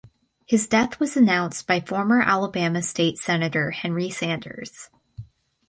His death was announced by former Alabama State Senator Henry Sanders.